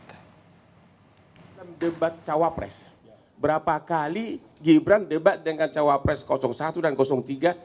dalam debat cawapres berapa kali gibran debat dengan cawapres satu dan tiga